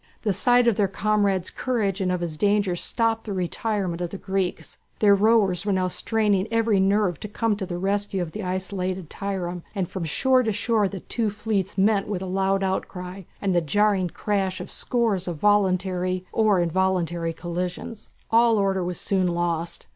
The sight of their comrade's courage and of his danger stopped the retirement of the Greeks. Their rowers were now straining every nerve to come to the rescue of the isolated trireme, and from shore to shore the two fleets met with loud outcry and the jarring crash of scores of voluntary or involuntary collisions. All order was soon lost.